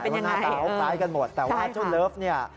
ว่าหน้าเตาปลายกันหมดแต่ว่าเจ้าเลิฟนี่